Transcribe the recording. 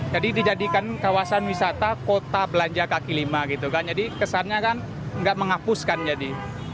jadi dijadikan kawasan wisata kota belanja kaki lima gitu kan jadi kesannya kan nggak menghapuskan jadi